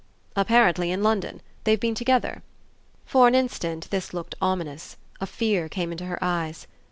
"Apparently in London. They've been together." For an instant this looked ominous a fear came into her eyes.